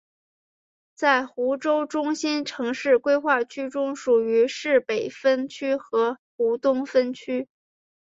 在湖州中心城市规划区中属于市北分区和湖东分区。